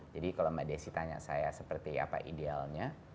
jadi kalau mbak desi tanya saya seperti apa idealnya